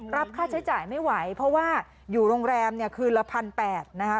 รับค่าใช้จ่ายไม่ไหวเพราะว่าอยู่โรงแรมคือละ๑๘๐๐บาทนะครับ